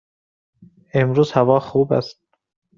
امروز هوا خوب است.